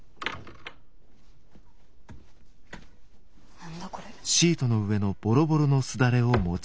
何だこれ。